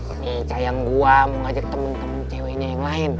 ini sayang gue mau ngajak temen temen ceweknya yang lain